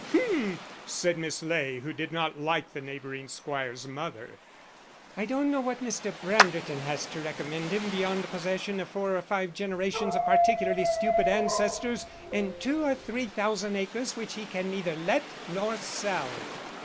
"Hm!" said Miss Ley, who did not like the neighboring squire's mother, "I don't know what Mr. Branderton has to recommend him beyond the possession of four or five generations of particularly stupid ancestors and two or three thousand acres which he can neither let nor sell."